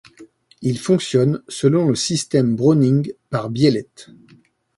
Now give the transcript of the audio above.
Il fonctionne selon le système Browning par biellette.